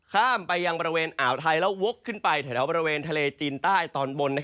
ขายทะเลเบาะบริเวณทะเลจินใต้ตอนบน